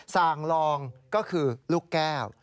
สั่งลองก็คือลูกแก้ว